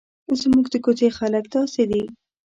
زموږ د کوڅې خلک داسې دي.